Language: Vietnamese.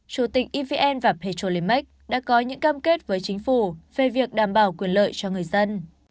chủ tịch evn và petrolimax đã có những cam kết với chính phủ về việc đảm bảo quyền lợi cho người dân